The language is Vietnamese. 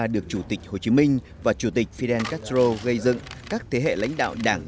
được chủ tịch hồ chí minh và chủ tịch fidel castro gây dựng các thế hệ lãnh đạo đảng